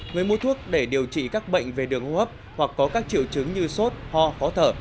người mua thuốc để điều trị các bệnh về đường hô hấp hoặc có các triệu chứng như sốt ho khó thở